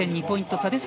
２．２ポイント差。